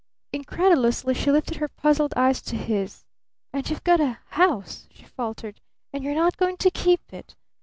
Incredulously she lifted her puzzled eyes to his. "And you've got a house?" she faltered. "And you're not going to keep it?